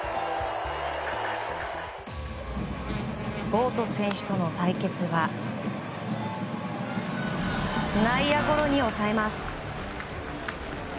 ボート選手との対決は内野ゴロに抑えます。